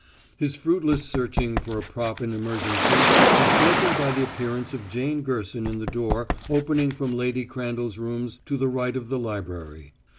His fruitless searching for a prop in emergency was broken by the appearance of Jane Gerson in the door opening from Lady Crandall's rooms to the right of the library.